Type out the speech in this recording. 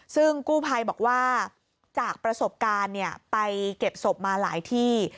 ซึ่งกู้ภัยบอกว่าจากประสบการณ์ไปเก็บศพมาหลายที่